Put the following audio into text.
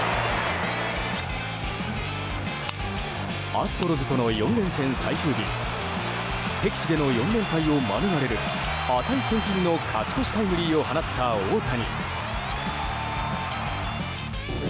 アストロズとの４連戦最終日敵地での４連敗を免れる値千金の勝ち越しタイムリーを放った大谷。